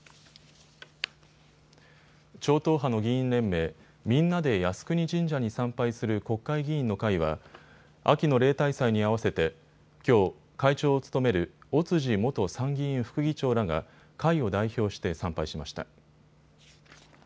超党派の議員連盟、みんなで靖国神社に参拝する国会議員の会は秋の例大祭に合わせてきょう会長を務める尾辻元参議院副議長らが会を代表して参拝しました。